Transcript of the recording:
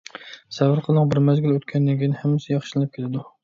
سەۋر قىلىڭ. بىر مەزگىل ئۆتكەندىن كېيىن ھەممىسى ياخشىلىنىپ كېتىدۇ.